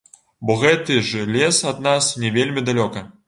Бо гэты ж лес ад нас не вельмі далёка.